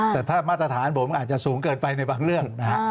แต่ถ้ามาตรฐานผมอาจจะสูงเกินไปในบางเรื่องนะฮะ